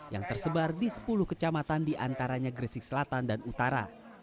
yang tersebar di sepuluh kecamatan di antaranya gresik selatan dan utara